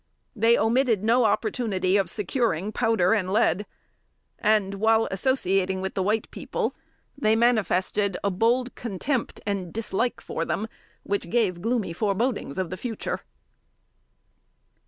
They omitted no opportunity of securing powder and lead; and while associating with the white people, they manifested a bold contempt and dislike for them, which gave gloomy forebodings of the future.